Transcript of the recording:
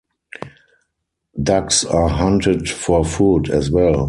Ducks are hunted for food as well.